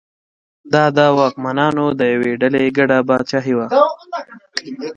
دا د واکمنانو د یوې ډلې ګډه پاچاهي وه.